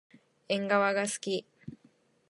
えんがわがすき。